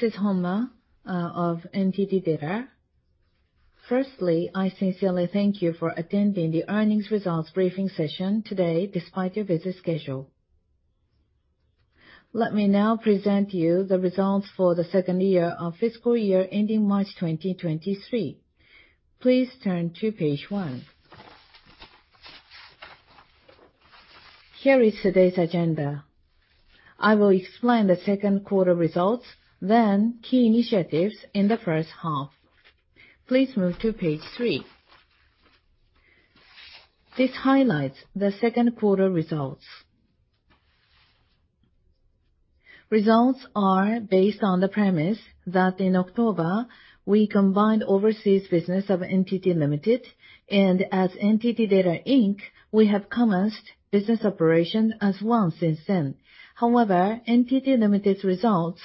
This is Honma of NTT DATA. First, I sincerely thank you for attending the earnings results briefing session today despite your busy schedule. Let me now present to you the results for the second quarter of fiscal year ending March 2023. Please turn to page one. Here is today's agenda. I will explain the second quarter results, then key initiatives in the first half. Please move to page three. This highlights the second quarter results. Results are based on the premise that in October, we combined overseas business of NTT Ltd., and as NTT DATA, Inc., we have commenced business operation as one since then. However, NTT Ltd.'s results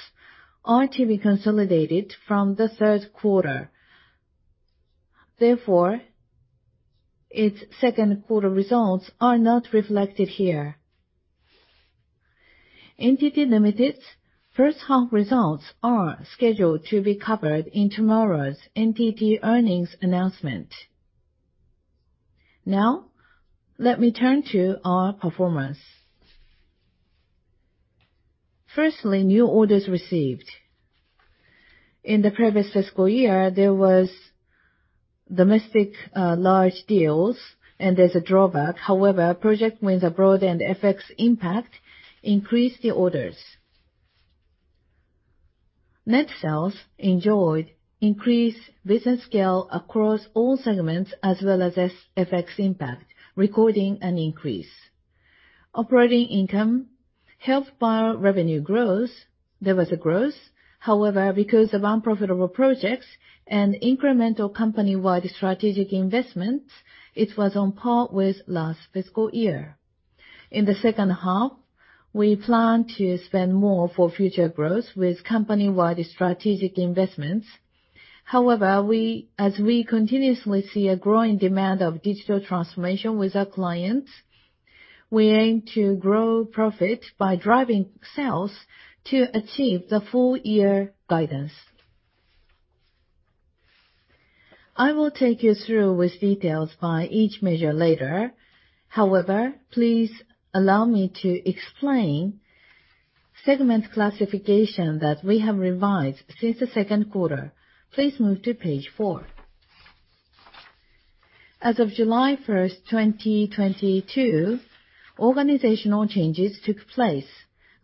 are to be consolidated from the third quarter. Therefore, its second quarter results are not reflected here. NTT Ltd.'s first half results are scheduled to be covered in tomorrow's NTT earnings announcement. Now, let me turn to our performance. First, new orders received. In the previous fiscal year, there was domestic large deals and there's a drawback. However, project wins abroad and FX impact increased the orders. Net sales enjoyed increased business scale across all segments, as well as FX impact, recording an increase. Operating income helped by revenue growth. There was a growth. However, because of unprofitable projects and incremental company-wide strategic investments, it was on par with last fiscal year. In the second half, we plan to spend more for future growth with company-wide strategic investments. However, as we continuously see a growing demand of digital transformation with our clients, we aim to grow profit by driving sales to achieve the full year guidance. I will take you through with details by each measure later. However, please allow me to explain segment classification that we have revised since the second quarter. Please move to page four. As of July 1, 2022, organizational changes took place,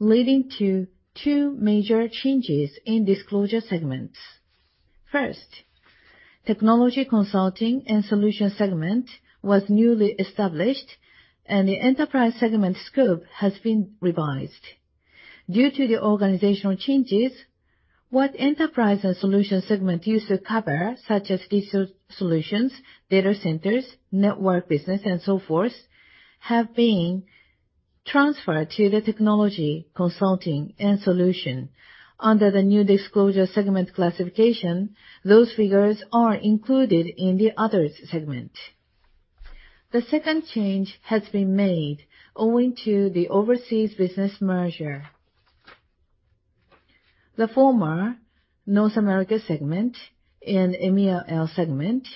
leading to two major changes in disclosure segments. First, Technology Consulting and Solutions segment was newly established, and the Enterprise segment scope has been revised. Due to the organizational changes, what Enterprise and Solutions segment used to cover, such as digital solutions, data centers, network business, and so forth, have been transferred to the Technology Consulting and Solutions. Under the new disclosure segment classification, those figures are included in the Others segment. The second change has been made owing to the overseas business merger. The former North America segment and EMEAL segment,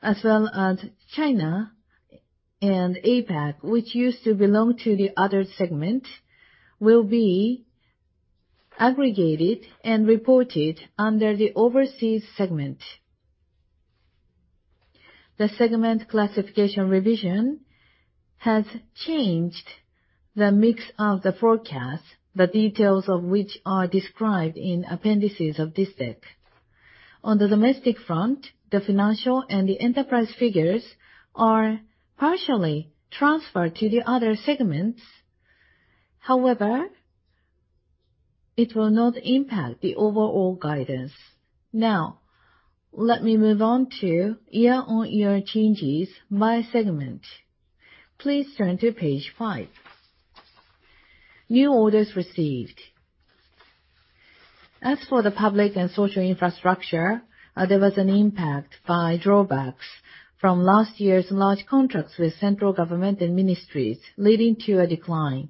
as well as China and APAC, which used to belong to the Others segment, will be aggregated and reported under the Overseas segment. The segment classification revision has changed the mix of the forecast, the details of which are described in appendices of this deck. On the domestic front, the Financial and the Enterprise figures are partially transferred to the Others segments. However, it will not impact the overall guidance. Now, let me move on to year-on-year changes by segment. Please turn to page five. New orders received. As for the Public and Social Infrastructure, there was an impact by drawbacks from last year's large contracts with central government and ministries, leading to a decline.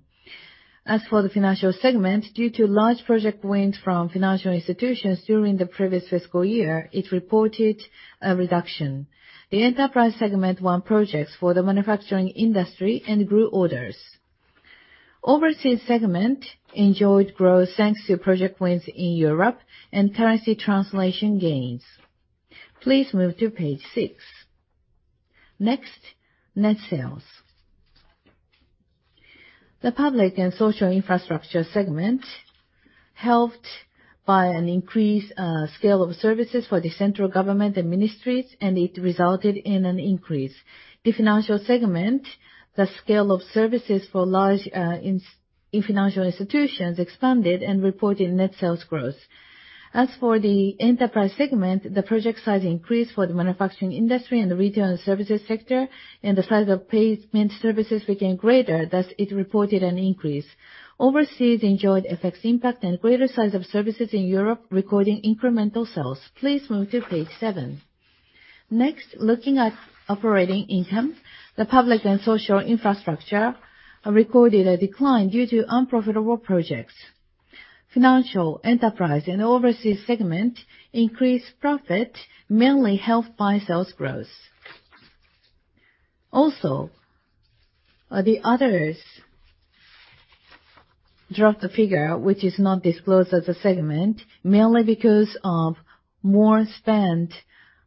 As for the Financial segment, due to large project wins from financial institutions during the previous fiscal year, it reported a reduction. The Enterprise segment won projects for the manufacturing industry and grew orders. Overseas segment enjoyed growth thanks to project wins in Europe and currency translation gains. Please move to page six. Next, net sales. The Public and Social Infrastructure segment helped by an increased scale of services for the central government and ministries. It resulted in an increase. The financial segment, the scale of services for large financial institutions expanded and reported net sales growth. As for the enterprise segment, the project size increased for the manufacturing industry and the retail and services sector. The size of payment services became greater, thus it reported an increase. Overseas enjoyed FX impact and greater size of services in Europe, recording incremental sales. Please move to page seven. Looking at operating income, the Public and Social Infrastructure recorded a decline due to unprofitable projects. Financial, enterprise, and overseas segment increased profit, mainly helped by sales growth. The others dropped a figure which is not disclosed as a segment, mainly because of more spent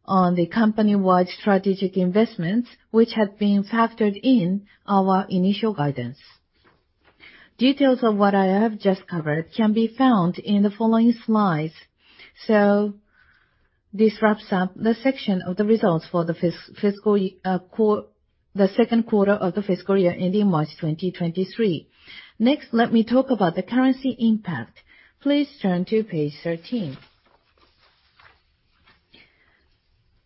on the company-wide strategic investments which had been factored in our initial guidance. Details on what I have just covered can be found in the following slides. This wraps up the section of the results for the second quarter of the fiscal year ending March 2023. Let me talk about the currency impact. Please turn to page 13.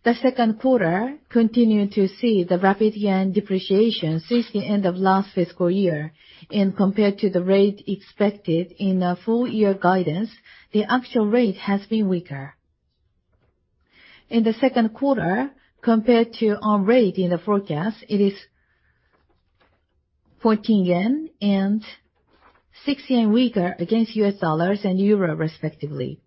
The second quarter continued to see the rapid yen depreciation since the end of last fiscal year. Compared to the rate expected in the full year guidance, the actual rate has been weaker. In the second quarter, compared to our rate in the forecast, it is 14 yen and 6 yen weaker against US dollars and EUR respectively.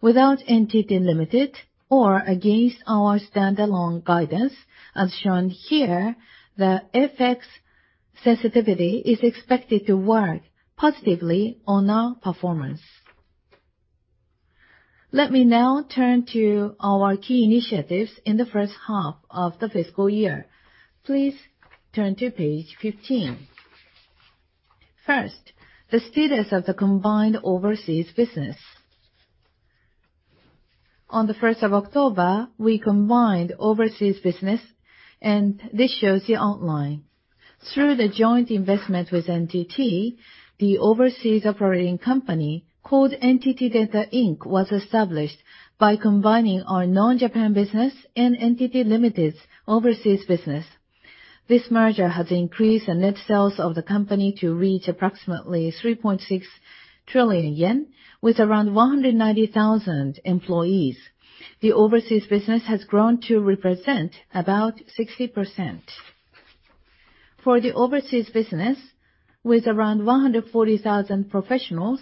Without NTT Ltd. or against our standalone guidance, as shown here, the FX sensitivity is expected to work positively on our performance. Let me now turn to our key initiatives in the first half of the fiscal year. Please turn to page 15. First, the status of the combined overseas business. On the 1st of October, we combined overseas business. This shows the outline. Through the joint investment with NTT, the overseas operating company, called NTT DATA, Inc., was established by combining our non-Japan business and NTT Ltd.'s overseas business. This merger has increased the net sales of the company to reach approximately 3.6 trillion yen, with around 190,000 employees. The overseas business has grown to represent about 60%. For the overseas business, with around 140,000 professionals,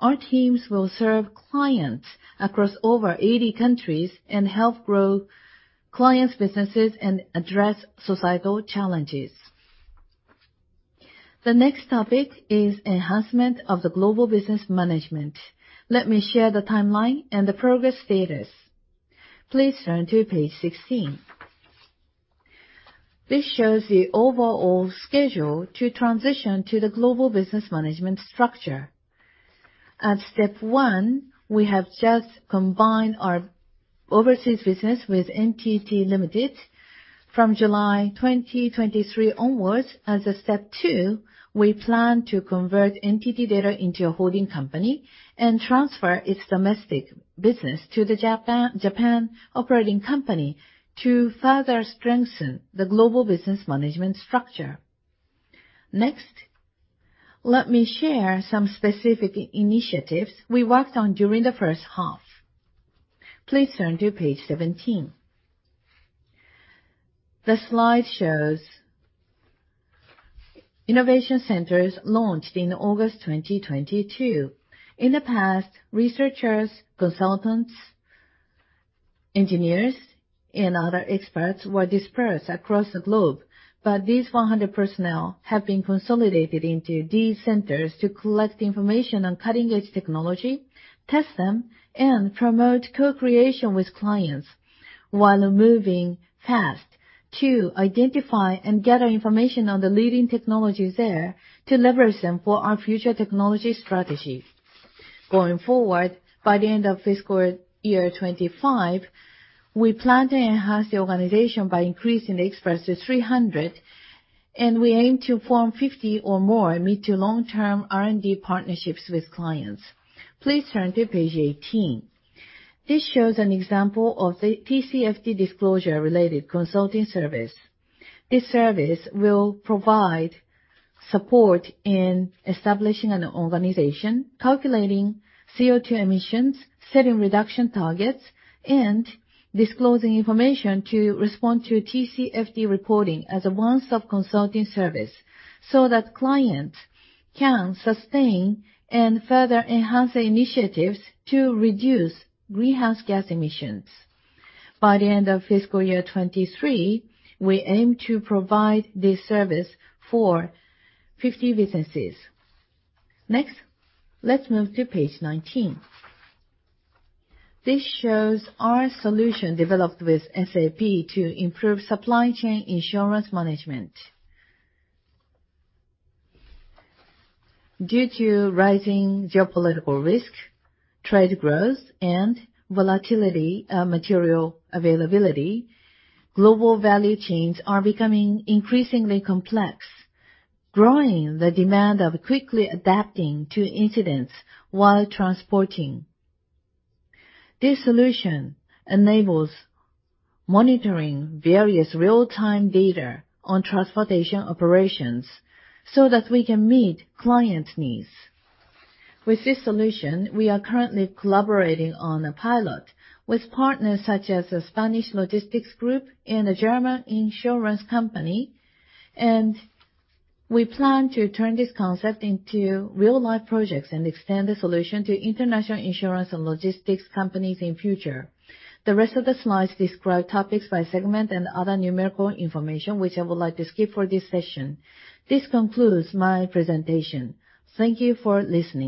our teams will serve clients across over 80 countries and help grow clients' businesses and address societal challenges. The next topic is enhancement of the global business management. Let me share the timeline and the progress status. Please turn to page 16. This shows the overall schedule to transition to the global business management structure. At step 1, we have just combined our overseas business with NTT Ltd. From July 2023 onwards, as of step 2, we plan to convert NTT DATA into a holding company and transfer its domestic business to the Japan operating company to further strengthen the global business management structure. Let me share some specific initiatives we worked on during the first half. Please turn to page 17. The slide shows innovation centers launched in August 2022. In the past, researchers, consultants, engineers, and other experts were dispersed across the globe, these 100 personnel have been consolidated into these centers to collect information on cutting-edge technology, test them, and promote co-creation with clients, while moving fast to identify and gather information on the leading technologies there to leverage them for our future technology strategies. Going forward, by the end of fiscal year '25, we plan to enhance the organization by increasing the experts to 300, and we aim to form 50 or more mid to long-term R&D partnerships with clients. Please turn to page 18. This shows an example of the TCFD disclosure related consulting service. This service will provide support in establishing an organization, calculating CO2 emissions, setting reduction targets, and disclosing information to respond to TCFD reporting as a one-stop consulting service so that clients can sustain and further enhance their initiatives to reduce greenhouse gas emissions. By the end of fiscal year '23, we aim to provide this service for 50 businesses. Let's move to page 19. This shows our solution developed with SAP to improve supply chain insurance management. Due to rising geopolitical risk, trade growth, and volatility material availability, global value chains are becoming increasingly complex, growing the demand of quickly adapting to incidents while transporting. This solution enables monitoring various real-time data on transportation operations so that we can meet client needs. With this solution, we are currently collaborating on a pilot with partners such as a Spanish logistics group and a German insurance company, and we plan to turn this concept into real-life projects and extend the solution to international insurance and logistics companies in future. The rest of the slides describe topics by segment and other numerical information, which I would like to skip for this session. This concludes my presentation. Thank you for listening.